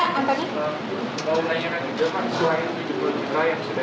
khususnya yang sudah diserahkan oleh ppb